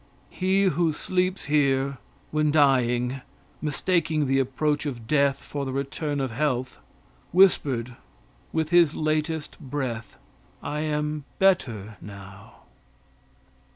He who sleeps here, when dying, mistaking the approach of death for the return of health, whispered with his latest breath, "I am better now."